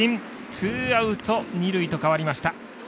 ツーアウト、二塁と変わりました。